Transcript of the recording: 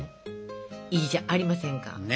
いいじゃありませんか！ね！